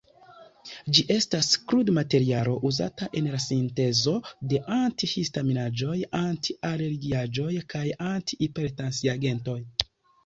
Ĝi estas krudmaterialo uzata en la sintezo de anti-histaminaĵoj, anti-alergiaĵoj kaj anti-hipertensiagentoj.